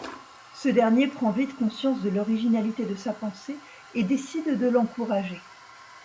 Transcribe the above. Ce dernier prend vite conscience de l'originalité de sa pensée, et décide de l'encourager.